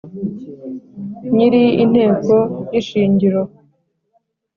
nyiri inteko y’ishingiro